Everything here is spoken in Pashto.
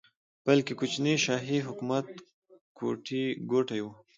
بلکې کوچني شاهي حکومت ګوټي وو.